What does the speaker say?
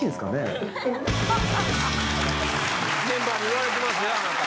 メンバーに言われてますよあなた。